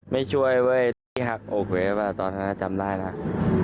ไม่ช่วยเว้ยที่หักอกเรตตอนนั้นจำได้นะคะ